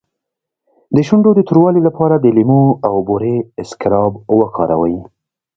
د شونډو د توروالي لپاره د لیمو او بورې اسکراب وکاروئ